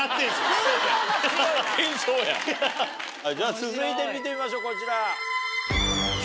続いて見てみましょうこちら。